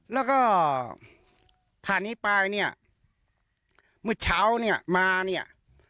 แล้วก็ผ่านนี้ไปเนี่ยเมื่อเช้าเนี่ยมาเนี่ย